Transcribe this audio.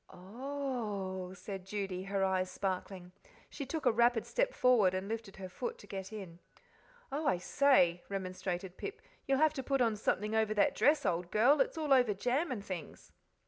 "Oh h h!" said Judy, her eyes sparkling. She took a rapid step forward and lifted her foot to get in. "Oh, I say!" remonstrated Pip, "you'll have to put on something over that dress, old girl it's all over jam and things."